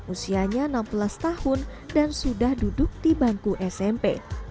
usianya enam belas tahun dan sudah duduk di bangku smp